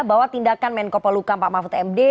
bahwa tindakan menko poluka pak mahfud md